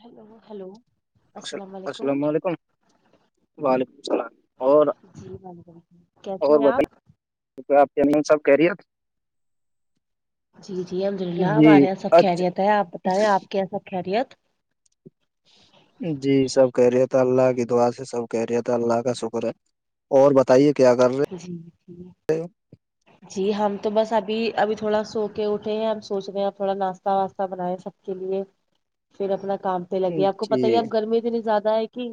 Hello hello السل- السلام علیکم السلام وعلیکم اسلام اور جی وعلیکم السلام کیسے اور ہیں آپ بتائیے تو آپ کے گھر میں سب خیریت جی جی الحمد للہ ہمارے جی یہاں سب اچھا خیریت ہے آپ بتائیں آپ کے یہاں سب خیریت جی سب خیریت ہے اللہ کی دعا ہے سب خیریت ہے اللہ کا شکر ہے اور بتائیے کیا کر رہے جی جی جی ہم تو بس ابھی ابھی تھوڑا سو کے اٹھے ہیں ہم سوچ رہے ہیں آپ تھوڑا ناشتہ واشتہ بنائے سب کے لیے پھر اپنا کام ہو؟ لگی آپ کو پتا ہے یہاں جی گرمی اتنی زیادہ ہے کہ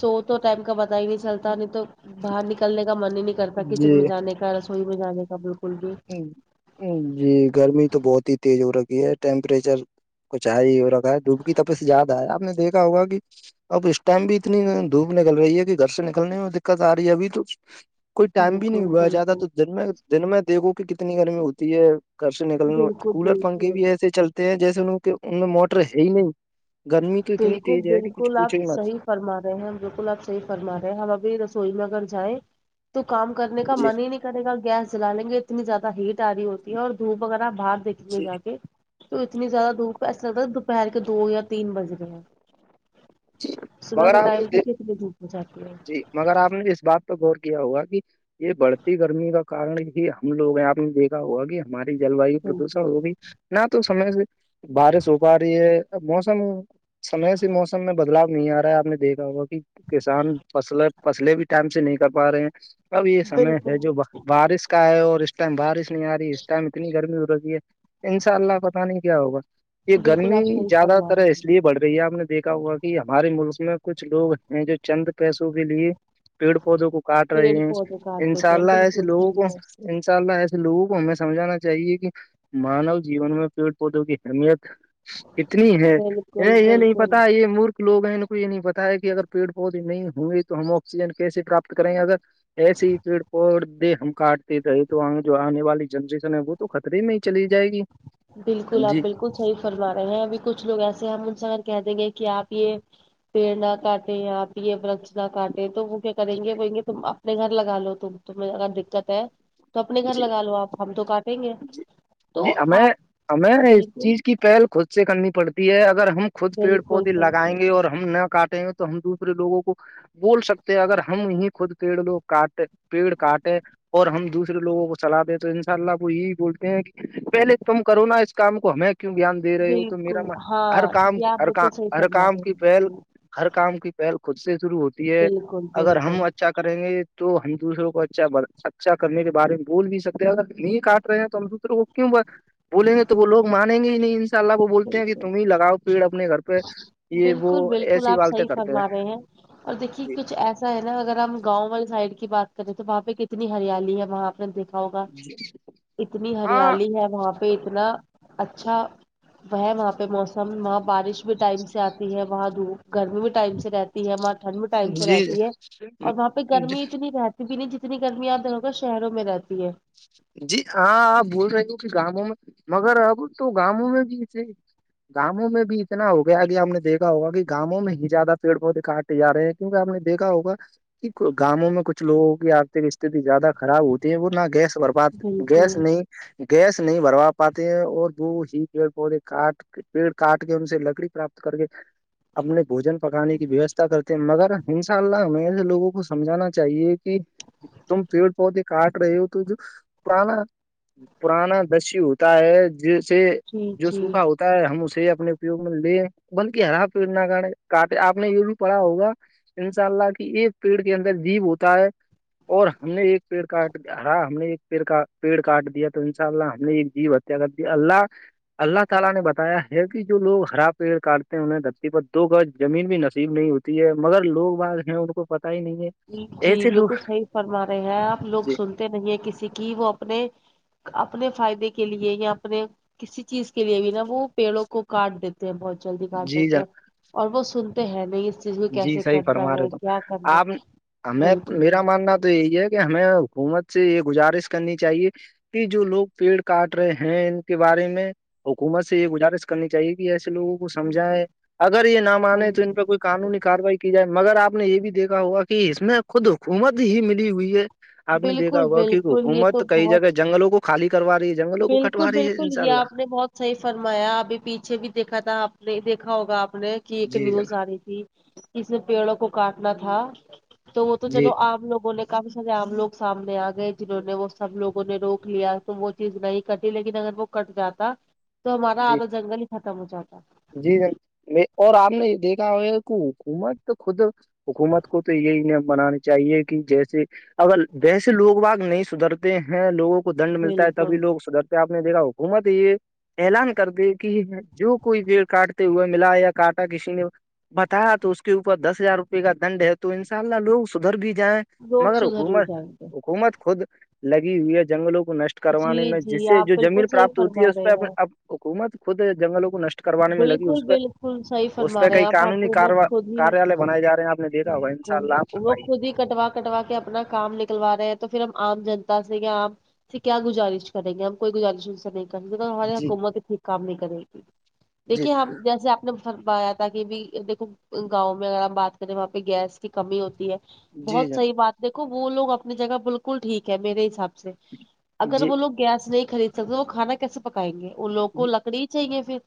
سو تو ٹائم کا پتا ہی نہیں چلتا نہیں تو باہر نکلنے کا من ہی نہیں کرتا کچن جی میں جانے کا رسوئی میں جانے کا بالکل بھی جی گرمی تو بہت ہی تیز ہو رکھی ہے ٹیمپریچر کچھ زیادہ ہو رکھا ہے دھوپ کی تپس زیادہ ہے آپ نے دیکھا ہوگا کی اب اس ٹائم بھی اتنی دھوپ نکل رہی ہے کہ گھر سے نکلنے میں دقت آ رہی ہے ابھی تو کوئی ٹائم بھی نہیں بالکل ہوا ہے زیادہ بالکل تو دن میں دن میں دیکھو کہ کتنی گرمی ہوتی ہے گھر سے نکلنا بالکل کولر پنکھے بالکل بھی ایسے چلتے ہیں جیسے ان کے ان میں موٹر ہے ہی نہیں گرمی تو اتنی بالکل تیز ہے کہ کچھ بالکل آپ پوچھو ہی مت صحیح فرما رہے ہیں ہم بالکل آپ صحیح فرمار ہے ہیں ہم ابھی رسوئی میی اگر جائیں تو کام کرنے کا جی من ہی نہیں کرے گا گیس جلا لیں گے اتنی زیادہ ہیٹ اری ہوتی ہے اور دھوپ وغیرہ آ باہر دیکھ لیے جا کے تو اتنی زیادہ دھوپ ہے ایسا لگتا دوپہر کے دو یا تین بج گے ہیں صبح مگر کا آپ نے ٹائم دیکھ تھاک کتنی دھوپ ہو جاتی ہے جی مگر آپ نے اس بات پہ غور کیا ہوگا کہ یہ بڑھتی گرمی کا کارن ہی ہم لو آپ نے دیکھا ہوا کہ ہماری جل وایو پردوشن وہ بھی نہ تو سمے سے بارش ہو پا رہی ہے موسم سمے سے موس م میں بدلاؤ نہیں آ رہا ہے آپ نے دیکھا ہوا کہ کسان فصل فصلیں بھی ٹائم سے نہیں کر پا رہے ہیں اب یہ سمے ہے بالکل جو بارش کا ہے اور اس ٹائم بارش نہیں آ رہی ہے اس ٹائم اتنی گرمی ہو رہی ہے انشاء اللہ پتہ نہیں کیا ہوگا یہ بالکل گرمی آپ صحیح زیادہ فرما تر رہے ہے اس ہیں لیے بڑھ رہی ہے آپ نے دیکھا ہوا کہ ہمارے ملک میں کچھ لوگ ہیں جو چند پیسوں کے لیے پیڑ پودوں کو کاٹ رہے پیڑ ہیں پودے کاٹ انشاء دیتے ہیں اللہ ایسے بالکل لوگوں کو بالکل انشاء اللہ ایسے لوگوں کو ہمیں سمجھانا چاہیے کہ مانوہ جیون میں پیڑ پودوں کی اہمیت کتنی ہے بالکل انہیں یہ نہیں پتا بالکل یہ مورک لوگ ہیں ان کو یہ نہیں پتا ہے کہ اگر پیڑ پودے نہیں ہوئے تو ہم آکسیجن کیسے پراپت کریں گے اگر ایس ہی پیڑ پوردے ہم کاٹتے تھے تو جو آنے والی جنریشن ہے وہ تو خطرے میں ہی چلی جائے گی بالکل آپ جی بالکل صحیح فرما رہے ہیں ابھی کچھ لوگ ایسے ہم انسان کہہ دیں گے کہ آپ یہ پیڑ نہ کاٹے یا آپ یہ ورکش نہ کاٹے تو وہ کیا کریں گے بولیں گے تم اپنے گھر لگا لو تم تمہیں اگر دقت ہے تو اپنے گھر لگا لو آپ ہم تو کاٹیں گے جی تو جی ہمیں آپ ہمیں اس بالکل چیز کی پہل خود سے کرنی پڑتی ہے اگر ہم خود پیڑ بالکل پودے لگائیں بالکل گے اور ہم نہ کاٹیں گے تو ہم دوسرے لوگوں کو بول سکتے ہیں اگر ہم ہی خود پیڑ لوگ کاٹے پیڑ کاٹے اور ہم دوسرے لوگوں کو صلاح دے تو انشاء اللہ وہ یہی بولتے ہیں کہ پہلے تم کرو نا اس کام کو ہمیں کیوں گیاں دے رہی ہو تو میرا بالکل م ہر ہاں کام یہ آپ ہر کا بالکل صحیح ہر فرما کام رہے کی ہیں پہل جی ہر کام کی پہل خود سے شروع ہوتی ہے بالکل اگر ہم بالکل ا چھا کریں گے تو ہم دوسروں کو اچھا اچھا کرنے کے بارے میں بول بھی سکتے اگر ن کاٹ رہے ہیں تو ہم دوسروں کو کیوں ب بولیں گے تو وہ لگ مانیں گے ہی نہیں ان شاء اللہ وہ بولتے ہیں کہ بالکل تم ہی لگاؤ پیڑ اپنے گھر پہ یہ وہ ایسی والتے کرتے ہیں ہوں اور دیکھئے کچھ ایسا ہے نا اگر ہم گاؤں والی سائڈ کی بات کریں تو وہاں پہ کتنی ہریالی ہے وہاں نہ دیکھا ہوگا اتنی ہاں ہریالی ہے وہاں پہ اتنا اچھا ہے وہاں پہ موسم وہاں بارش بھی ٹائم سے آتی ہے وہاں دھوپ گرمی بھی ٹائم سے رہ تی ہے وہاں ٹھنڈ بھی ٹائم سے جی رہتی ہے اور وہاں پہ گرمی اتنی رہتی اتنی جتنی گرمی آپ لوگوں کے شہروں میں رہتی ہے جی ہاں آپ بول رہے ہو کہ گاؤوں میں مگر اب تو گاؤوں میں بھی اسے گاؤوں میں بھی اتنا ہو گیا ا کہ ہم نے دیکھا ہوگا کہ گاؤوں میں ہی زیادہ پیڑ پودے کاٹ تیار ہے ہیں کیونکہ آپ نے دیکھا ہوگا گاؤوں میں کچھ لوگوں کی آرتھک استھٹی زیادہ خراب ہوتی ہے وہ نہ گیس ور بات گیس بالکل نہیں گیس نہیں بھروا پاتے ہیں اور وہ ہی پیڑ پودے کاٹ پیڑ کاٹ کے ان سے لکڑی پراپت کر کے اپنے بھوجن پکانے کی ویوستھا کر کے مگر انشاء اللہ ہمیں ایسے لوگوں کو سمجھانا چاہیے کہ تم پیڑ پودے کاٹ رہی تو ج پرانا پرانا دسو ہوتا ہے جیسے جی جو جی سوکھا ہو تا ہے ہم اسے اپنے اپیوگ میں لے بلکہ ہرا پیڑ نہ کاے کاٹ آپ نے یہ بھی پڑھا ہوگا انشاء اللہ کی ایک پیڑ کے اندر جیو ہوتا ہے اور ہم نے ایک پیڑ کاٹ ہرا ہم نے پیڑ کا پیڑ کاٹ دیا تو انشاء اللہ ہم نے ایک جیو ہتیا کر دی اللہ اللہ تعالی نے بتایا ہے کہ جو لوگ ہرا پیڑ کاٹتے ہیں انہیں دھرتی پر دو گز زمین بھی نصیب نہیں ہوتی تی ہے مگر لوگ بعض ہیں ان کو پتا ہی نہیں ہے جی جی ایسے لوگ بلکل صحیح فرما رہے ہیں آپ لوگ جی سنتے نہیں ہیں کسی کی وہ اپنے اپنے فائدے کے لیے یا اپنے کسی چیز کے لیے بھی نا وہ پیڑوں کو کاٹ دیتے ہیں بہت جلدی کاٹ جی جناب دیتے ہیں اور وہ سنتے ہیں نہیں اس چیز کو جی کیسے صحیح کرنا فرما ہے رہے تو کیا کرنا آپ ہے ہمیں بالکل میرا بالکل ماننا تو یہی ہے کہ ہمیں حکومت سے یہ گزارش کرنی چاہیے کہ جو لوگ پیڑ کاٹ رہے ہیں ان کے بارے میں حکومت سے یہ گزارش کرنی چاہیے کہ ایسے لوگ جی سمجھا جی ہے اگر یہ نہ مانے تو ان سمجھے پہ کوئی قانونی کاروائی کی جائے مگر آپ نے یہ بھی دیکھا ہوگا کہ اس میں خود حکومت ہی ملی ہوئی ہے آپ نے دیکھا بالکل ہوگا کی بالکل یہ حکومت کئی جگہ جنگلوں کو خالی کروا رہی جنگلوں کو بلکل کٹوا رہی ہے بلکل ان شاء یہ آپ اللہ نے بہت صحیح فرمایا ابھی پیچھے بھی دیکھا تھا آپ نے دیکھا ہوگا آپ نے کہ ایک جی نیوز جناب آ رہی تھی کسی نے پیڑوں کو کاٹنا تھا تو وہ تو جی چلو عام لوگوں نے کافی سارے عام لوگ سامنے آ گئے جنہوں نے وہ سب لوگوں نے روک لیا تو وہ چیز نہیں کٹی لیکن اگر وہ کٹ جاتا تو ہمارا جی آدھا جنگل ہی ختم ہو جاتا جی ج میں اور آپ نے یہ دیکھا ہو کہ حکومت تو خود حکومت کو تو یہی ہیں بنانے چاہیے کہ جیسے اگر ویسے لوگ واگ نہیں سدھرتے ہیں لوگوں کو دنڈ ملتا ہے بالکل تبھی لوگ سدھرتے آپ نے دیکھا حکومت یہ اعلان کر دے کہ جو کوئی پیڑ کاٹتے ہوئے ملا یا کاٹا کسی نے بتایا تو اس کے اوپر دس ہزار روپئے کا دنڈ ہے تو ان شاء اللہ لوگ سدھر بھی جائیں لوگ مگر سدھر بھی حکومت جائیں گے حکومت خود لگی ہوئی ہے جنگلوں کو نشٹ کروانے جی میں جس جی سے آپ جو زمین بالکل صحیح پراپت ہوتی فرما ہے اس پہ رہے ہیں اب حکومت خود جنگلوں کو نشٹ کروانے میں لگی بالکل اس پہ بالکل صحیح اس فرما پے رہے ہیں کئی آپ قانونی کروا حکومت خود ہی کاریالہ بنائے جا رہے ہیں آپ نے دیکھا ہوا ان شاء بالکل اللہ وہ فرمائیے خود ہی کٹوا کٹوا کے اپنا کام نکلوا رہے ہیں تو پھر ہم عام جنتا سے یا عام سے کیا گزارش کریں گے ہم کوئی گزارش سے نہیں کر سکتے ہماری جی حکومت اتنی کام نہیں کرے رہی جی دیکھیے ہم جیسے اب فرمایا تھا کہ بھی دیکھو گاؤں میں اگر آپ بات کریں وہاں پہ گیس کی کمی ہوتی ہے جی جی بہت صحیح بات دیکھو وہ لوگ اپنی جگہ بلکل ٹھیک ہے میرے حساب سے اگر جی وہ لوگ گیس نہیں خرید سکتے تو وہ کھانا کیسے پکائیں گے ان لوگ کو جی لکڑی ہی چاہیے پھر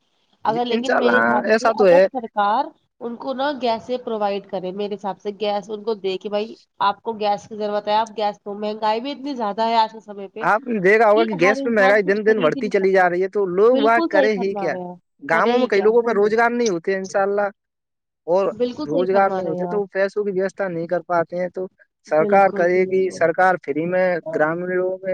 جی اگر لیکن انشاء میرے حساب اللہ سے ایسا تو اگر ہے سر کار ان کو نا گیسئیں پرووائڈ کرے میرے حساب سے گیس ان کو دے کے بھائی آپ کو گیس کی ضرورت ہے آپ گیس تو مہنگائی بھی اتنی زیادہ ہے آج کے سمے پہ آپ نے دیکھا ہوگا کہ ہر گیس پہ انسان مہنگائی کچھ دن دن خرید ہی بڑھتی نہیں چلی سکتا جا رہی ہے تو لوگ وا بالکل صحیح کرے ہی فرما کیا رہے ہیں کرے گاؤں ہی میں کئی کیا لوگوں پہ وہی روزگار نہیں ہوتے ہے انشاء اللہ اور بالکل صحیح روزگار فرما نہیں رہے ہیں ہوتا تو آپ پیسوں کی ویوستھا نہیں کر پاتے ہیں تو سرکار بالکل کرے گی بالکل سرکار فری میں گرامین لوگ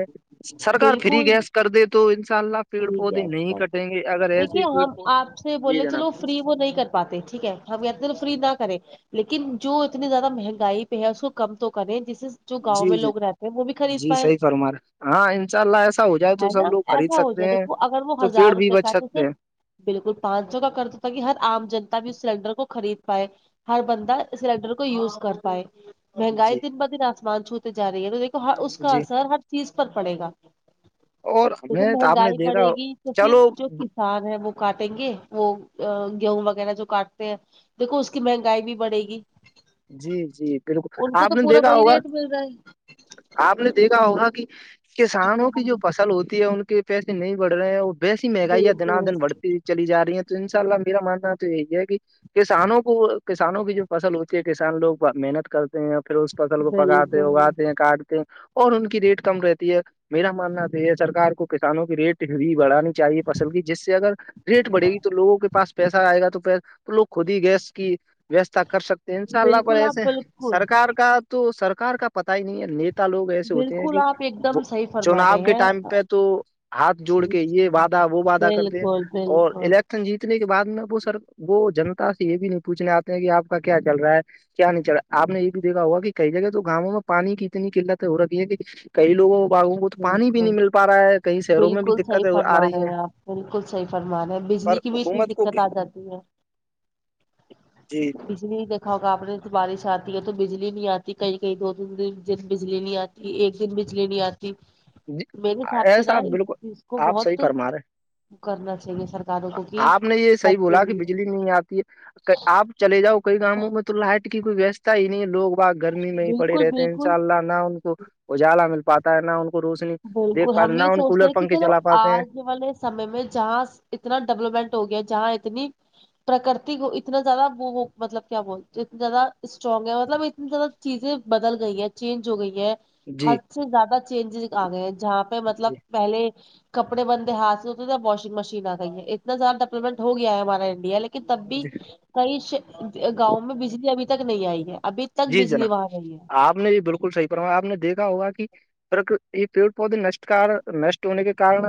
سرکار فری بالکل گیس کر دے تو ان شاء اللہ پیڑ پودے نہیں کٹیں گے اگر یہ کے ہم آپ سے بولے چلو فری وہ نہیں کر پاتے ٹھیک ہے ہم یہ چلو فری نہ کریں لیکن جو اتنی زیادہ مہنگائی پہ ہے اس کو کم تو کریں جس سے جو گاؤں جی میں جی لوگ رہتے ہیں وہ بھی خرید جی پائیں صحیح فرما رہے ہاں انشاء اللہ ایسا ہو جائے تو ہے سب نا لوگ خرید ایسا ہو جائے سکتے ہیں دیکھو اگر وہ تو پیڑ ہزار بھی روپئے بچ کھاتے تھے سکتے بالکل پانچ سو کا کردے تا کہ ہر عام جنتا بھی اس سلینڈر کو خرید پائے ہر بندہ ہیں سلینڈر کو یوز کر پائے مہنگائی جی دن با دن آسمان چھوتے جا رہی ہے تو دیکھو ہر اس کا جی اثر ہر چیز پر پڑے گا اور دیکھو ہمیں تو آپ نے مہنگائی دیکھا بڑے گی تو پھر چلو جو کسان ہے وہ کاٹیں گے وہ ا گیہوں وغیرہ جو کاٹتے ہیں دیکھو اس کی مہنگائی بھی بڑھے گی جی جی بالکل ان کو آپ تو نے پورا دیکھا وہی ہوگا ریٹ مل رہا ہے آپ نے دیکھا ہوگا کہ کسانوں کی جو فصل ہوتی ہے ان کے پیسے نہیں بڑ رہے ہیں وہ ویسی مہنگائی ہے دنا بالکل دن بڑھتی ہے چلی جارہی ہیں تو ان شاء اللہ میرا ماننا تو یہی ہے کہ کسانوں کو کسانوں کی جو فصل ہوتی کے کسان لوگ محنت کرتے ہیں پھر اس فصل کو پکاتے ہیں بالکل اگاتے ہیں کاٹتے اور ان کی ریٹ کم رہتی ہے میرا ماننا تو یہ سرکار کو کسانوں کی ریٹ بھی کبھی بڑھانے چاہیے فصل کی جس سے اگر ریٹ بڑھے گی تو لوگو کے پاس پیسہ آئے گا تو پھر تو لوگ خود ہی گیس کی ویوستھا کر سکتے ان شاء اللہ پر بالکل آپ ایسے بالکل سرار کا تو سرکار کا پتہ ہی نہیں ہے نیتا لوگ ایسے ہوتے ہیں بالکل کہ آپ ایک دم صحیح فرما چناؤ کے رہے ٹائم ہیں پہ تو ہاتھ جوڑ کے یہ وعدہ وہ وعدہ کرتے ہے بالکل اور بالکل الیک شن جیتنے کے بعد میں وہ سر وہ جنتا سے یہ بھی نہیں پوچھنے آتے ہیں کہ اپ کا کیا چل رہا ہے کیا نہیں چلا آپ نے یہ بھی دیکھا ہوگا کہ کئی جگہ تو گاؤں میں پانی کی اتنی قلتیں ہو رکھی ہے کہ کئی لوگوں باغوں کو تو پانی بھی نہیں بالکل مل پا رہا ہے کئی شہروں میں بھی بالکل صحیح دقتیں آ فرما رہی رہے ہیں آپ بالکل صحیح فرمارہے ہیں پر بجلی کی کی اس میں حکومت کو دقت آجاتی ہے جی بجلی کا گاپنے تو بارش آتی ہے تو بجلی نہیں آتی کہئی کہیں دودن گیے بجلی نہیں آتی ایک دن بجلی نہیں آتی جی میرے حساب سے ایسا نا اس بالکل چیز کو آپ صحیح بہت فرما رہے کرنا چاہیے سر آپ نے یہ صحیح بولا کہ بجلی نہیں آتی ہے کہ آپ چلے جاؤ کئی گاموں میں تو لائٹ کی کوئی ویوستھا ہی نہیں ہے لوگ واہ گرمی میں ہی پڑے بالکل رہتے ہیں ان بالکل شاء اللہ نہ ان کو اجالا مل پاتا ہے نہ ان کو روشنی دیکھ بالکل پاتے ہم نہ یہ ان سوچتے کولر ہیں کہ پنکھے چلو چلا پاتے ہیں آج والے سمے میں جہاں اتنا ڈیولپمنٹ ہو گیا جہاں اتنی پرکرتی کو اتنا زیادہ وہ وہ مطلب کیا بول اتنا زیادہ اسٹرانگ ہے مطلب اتنا زیادہ چیزیں بدل گئی ہے چینج ہو گئی ہے جی حد سے زیادہ چینج آگئے جہاں پہ مطلب جی پہلے کپڑے بندے ہاتھ سے دھوتے تھے واشنگ مشین آگئی ہے اتنا زیاد ڈیولپمنٹ ہو گیا ہے ہمارا انڈیا لیکن کہ تب بھی جی کئی شہ گاوں میں بجلی ابھی تک نہیں آئی ہے ابھی تک جی بجلی جناب وہاں نہیں ہے آپ نے بھی بالکل صحیح فرمایا آپ نے دیکھا ہوگا کہ پرک یہ پیڑ پودے نش کارن نشٹ ہونے کے کارن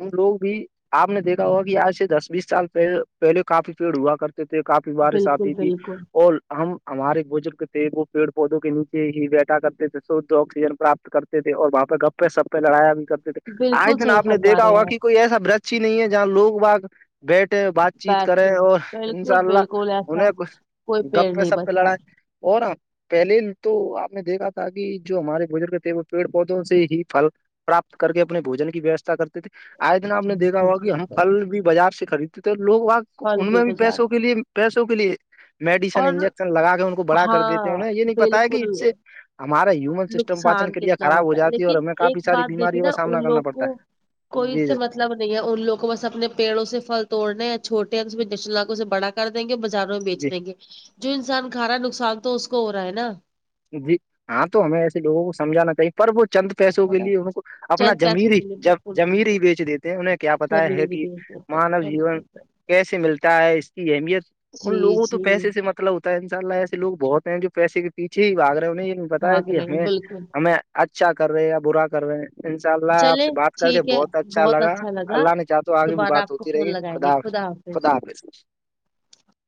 ان لوگ بھی آپ نے دیکھا ہوگا کہ آج سے دس بیس سال پیڑ پہلے کافی پیڑ ہوا کرتے تھے کافی بارش بالکل آتی تھی بالکل اور ہم ہمارے بزرگ تھے وہ پیڑ پودوں کے نیچے ہی بیٹھا کرتے تھے شدھ اکسیجن پراپت کرتے تھے اور وہاپہ گپ پہ سب پہ لڑایا بھی کرتے تھے آںے بالکل دن صحیح آپ نے فرما دیکھا رہے ہوا ہیں کہ آپ کوئی ایسا برچ ہی نہیں ہے جہاں لوگ باگ بیٹھے بات چیت کرے بیٹھے ہو اور بالکل انشاء اللہ بالکل ایسا انہیں کوئی پیڑ گپے نہیں سپ پے بچا لڑائے اور آپ پہلے تو آپ نے دیکھا تھا کہ جو ہمارے بزرگ تھے وہ پیڑ پودوں سے ہی پھل پراپت کر کے اپنے بھوجن کی ویوستھا کرتے تھے آئے دن آپ نے دیکھا بالکل ہوا کہ بالکل ہم پھل بھی بازار سے خریدتے تھے لوگ واگ پھل ان میں بھی بازار پیسوں کے لیے پیسوں کے لیے میڈیسن اور انجیکشن لگا کے ان کو بڑا کر دیتے ہیں نہ ہاں یہ نہیں پتہ ہے کہ بالکل ان سے ہمارے ہیومن سسٹم پاچن نقصان کے لیے کتنا خراب ہو ہوتا جاتی ہے اور لیکن ہمیں ایک کافی ساری بات دیکھی بیماریوں نا کا سامنا ان کرنا لوگ کو پڑتا ہے کوئی اس جی سے جن مطلب نہیں ہے ان لوگ کو بس اپنے پیڑوں سے پھل توڑنا ہے یا چھوٹے ہیں لاکھوں سے بڑا کر دیں گے بازاروں میں جی بیچ دیں گے جو انسان کھا رہا ہے نقصان تو اس کو ہو رہا ہے نا جی ہاں تو ہمیں ایسے لوگوں کو سمجھانا چاہیے پر وہ چند پیسوں ہے کے نا لیے ان کو اپنا چند پیسوں جمییر ہی کے لیے بالکل جمیر بالکل ہی بیچ دیتے ہیں انہیں کیا پتایا زمین ہے ہی بیچ کہ دیتے ہیں مانو جیون بالکل کیسے ملتا ہے اس کی اہمیت ان جی لوگوں تو جی پیسے سے مطلب ان شاء اللہ ایسے لوگ بہت ہیں جو پیسے کے پیچھے ہی باگ رہے ہیں انہیں یہ بتا ہے بھاگ کہ رہے ہیں ہمیں بالکل ہمیں اچھا کر رہے یا برا کر رہے ہیں انشاء اللہ آپ چلے سے بات کر کے ٹھیک ہے بہت اچھا لگا لگا اللہ نے چاہ تو آگے بھی دوبارہ بات آپ کو ہوتی فون رہی لگائیں گے خدا حافظ خدا حافظ